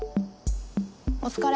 お疲れ。